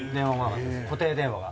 固定電話が。